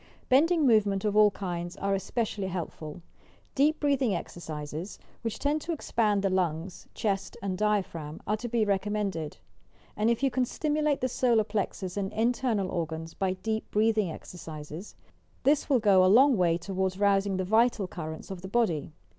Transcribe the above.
Bending movement of all kinds are especially helpful. Deep breathing exercises, which tend 266 YOUR PSYCHIC POWERS to espand the lungs, chest and diaphragm are to be re CO mm ended, and if you can stimulate the solar plesus and internal organB by deep breathing exercises, this will go a long way toward rousiue the vital currents of the body.